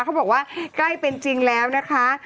บอกว่าใกล้เป็นจริงแล้วนะคะ